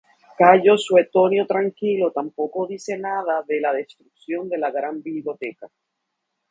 Cayo Suetonio Tranquilo tampoco dice nada de la destrucción de la Gran Biblioteca.